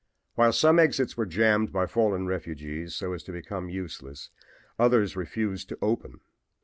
While some exits were jammed by fallen refugees so as to become useless, others refused to open.